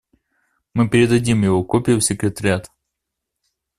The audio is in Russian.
Мы передадим его копию в секретариат.